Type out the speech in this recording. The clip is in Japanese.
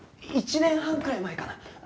１年半くらい前かな？